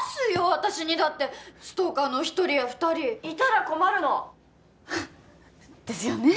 私にだってストーカーの一人や二人いたら困るのフッですよね